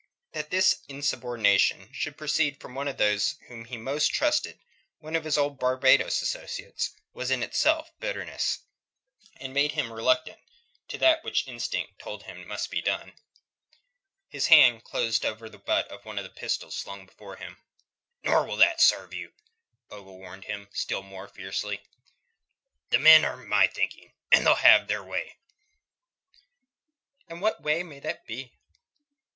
That this insubordination should proceed from one of those whom he most trusted, one of his old Barbados associates, was in itself a bitterness, and made him reluctant to that which instinct told him must be done. His hand closed over the butt of one of the pistols slung before him. "Nor will that serve you," Ogle warned him, still more fiercely. "The men are of my thinking, and they'll have their way." "And what way may that be?"